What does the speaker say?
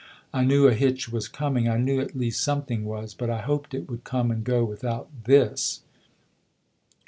1 knew a hitch was coming I knew at least something was ; but I hoped it would come and go without this!"